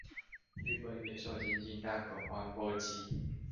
日本也受經濟大恐慌波及